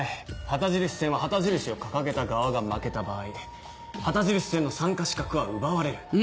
旗印戦は旗印を掲げた側が負けた場合旗印戦の参加資格は奪われる。